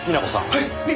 はい。